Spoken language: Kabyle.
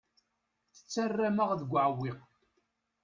Tettarram-aɣ deg uɛewwiq.